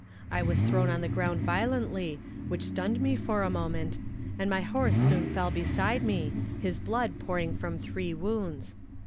I was thrown on the ground violently which stunned me for a moment, and my horse soon fell beside me, his blood pouring from three wounds.